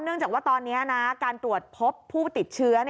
เนื่องจากว่าตอนนี้การตรวจพบผู้ติดเชื้อ